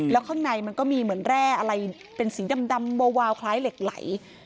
แล้วข้างในมันก็มีเหมือนแร่อะไรเป็นสีดำวาวคล้ายเหล็กไหล